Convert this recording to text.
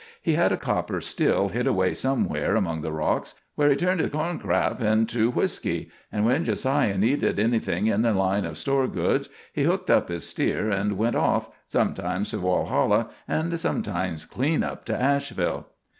He had a copper still hid away somewhere among the rocks, where he turned his corn crap into whisky; and when Jo siah needed anything in the line of store goods he hooked up his steer and went off, sometimes to Walhalla and sometimes clean up to Asheville.